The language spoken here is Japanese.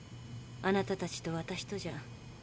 あなたたちと私とじゃ。